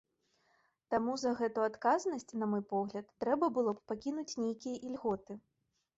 Таму за гэту адказнасць, на мой погляд, трэба было б пакінуць нейкія ільготы.